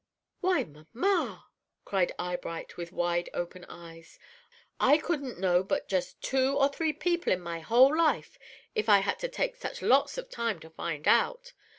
"Why, mamma!" cried Eyebright, with wide open eyes. "I couldn't know but just two or three people in my whole life if I had to take such lots of time to find out!